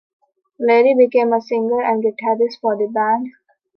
Larry became a singer and guitarist for the band.